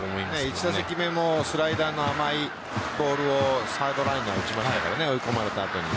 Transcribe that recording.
１打席目もスライダーの甘いボールサードライナー打ちましたからね追い込まれた後に。